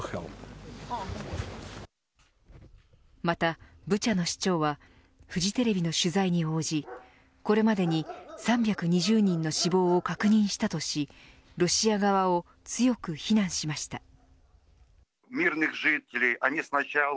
またブチャの市長はフジテレビの取材に応じこれまでに３２０人の死亡を確認したとしロシア側を強く非難しました。